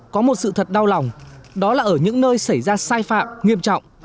có một sự thật đau lòng đó là ở những nơi xảy ra sai phạm nghiêm trọng